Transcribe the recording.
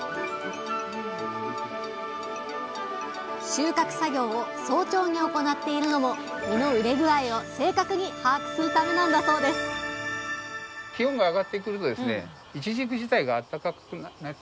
収穫作業を早朝に行っているのも実の熟れ具合を正確に把握するためなんだそうですああそうです。